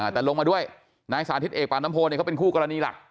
แต่ลงมาด้วยนายสาธิตเอกปานน้ำโพเขาเป็นคู่กรณีหลัก